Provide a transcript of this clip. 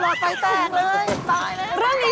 หลอกไฟแตกเลยตายแล้ว